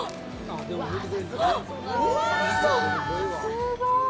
すごい。